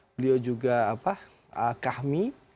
beliau juga kahmi